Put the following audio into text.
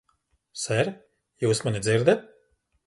Ser, jūs mani dzirdat?